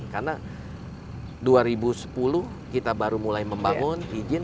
karena dua ribu sepuluh kita baru mulai membangun izin